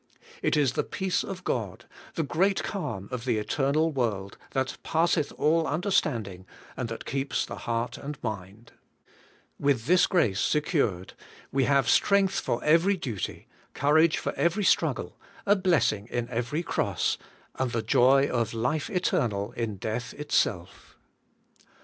It is the peace of God, the great calm of the eternal world, that passeth all understanding, and that keeps the heart and mind. With this grace secured, we have strength for every duty, courage for every struggle, AND YE SHALL FIND REST TO YOUR SOULS, 27 a blessing in every cross, and the joy of life eternal in death itself.